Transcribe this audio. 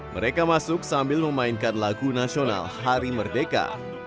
mereka masuk sambil memainkan lagu nasional hari merdeka